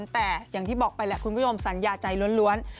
แต่อย่างที่บอกไปแหละคุณผู้ชมสัญญาใจล้วน